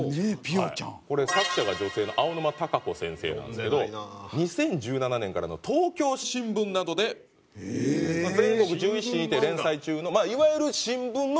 これ作者が女性の青沼貴子先生なんですけど２０１７年からの『東京新聞』などで全国１１誌にて連載中のまあいわゆる。